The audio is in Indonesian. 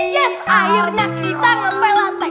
yes akhirnya kita ngepel lantai